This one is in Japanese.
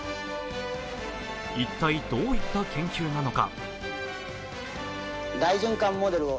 一体どういった研究なのか？